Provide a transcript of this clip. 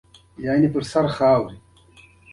ډېری وخت غالۍ سور رنګ لري.